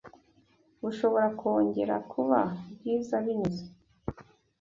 bushobora kongera kuba bwiza binyuze